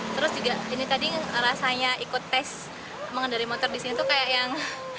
terus juga ini tadi rasanya ikut tes mengendari motor di sini tuh kayak yang